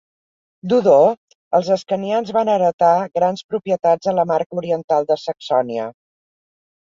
D'Odó, els ascanians van heretar grans propietats a la Marca Oriental de Saxònia.